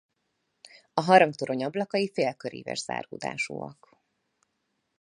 A harangtorony ablakai félköríves záródásúak.